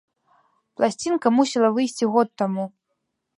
Пласцінка мусіла выйсці год таму.